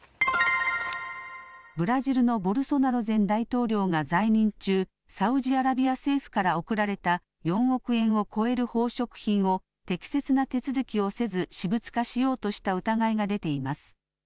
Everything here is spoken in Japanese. ブラジルのボルソナロ前大統領が在任中、サウジアラビア政府から贈られた４億円を超える宝飾品を適切な手続きをせず私物化しようとした疑いが出ています。